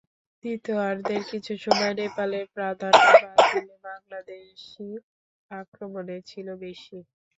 দ্বিতীয়ার্ধের কিছু সময় নেপালের প্রাধান্য বাদ দিলে বাংলাদেশই আক্রমণে ছিল বেশি।